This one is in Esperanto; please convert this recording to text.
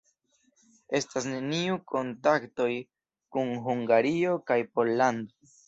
Estis neniuj kontaktoj kun Hungario kaj Pollando.